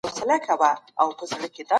احمد شاه ابدالي څنګه د سولې ارزښت خپور کړ؟